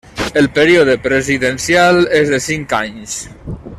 El període presidencial és de cinc anys.